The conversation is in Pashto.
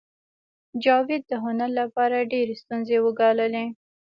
جاوید د هنر لپاره ډېرې ستونزې وګاللې